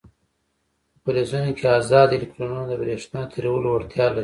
په فلزونو کې ازاد الکترونونه د برېښنا تیرولو وړتیا لري.